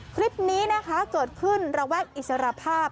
คลิปนี้เกิดขึ้นระวังอิสระภาพ